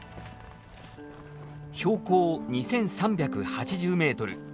標高２，３８０メートル。